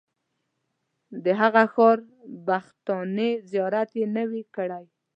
د هغه ښار بتخانې زیارت یې نه وي کړی.